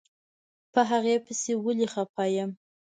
په هغې پسې ولې خپه يم.